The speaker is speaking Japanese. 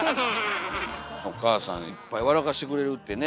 お母さんいっぱい笑かしてくれるってね。